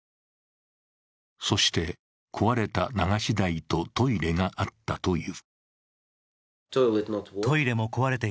そして壊れた流し台とトイレがあったという。